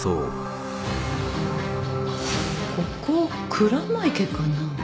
ここ鞍馬池かな？